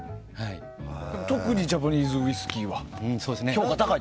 特にジャパニーズウイスキーは評価が高いと。